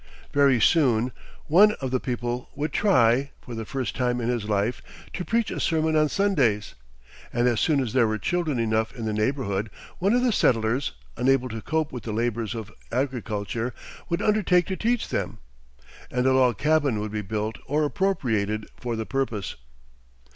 Very soon one of the people would try, for the first time in his life, to preach a sermon on Sundays, and as soon as there were children enough in the neighborhood, one of the settlers, unable to cope with the labors of agriculture, would undertake to teach them, and a log cabin would be built or appropriated for the purpose.